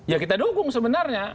ya kita dukung sebenarnya